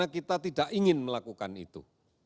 karena kita tidak ingin melakukan itu